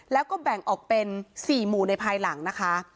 แล้วก็แบ่งออกเป็น๔หมู่ในภายหลังนะคะ